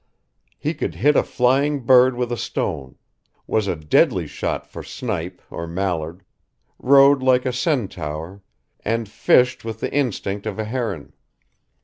He could hit a flying bird with a stone, was a deadly shot for snipe or mallard, rode like a centaur, and fished with the instinct of a heron.